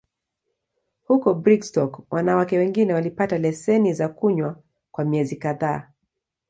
Huko Brigstock, wanawake wengine walipata leseni za kunywa kwa miezi kadhaa.